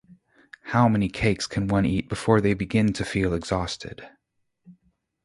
How many cakes can one eat before they begin to feel exhausted?